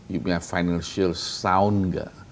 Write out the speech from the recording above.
you bilang financial sound nggak